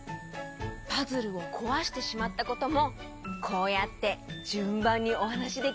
パズルをこわしてしまったこともこうやってじゅんばんにおはなしできる？